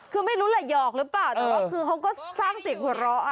คือไม่รู้แหละหยอกหรือเปล่าแต่ว่าคือเขาก็สร้างเสียงหัวเราะ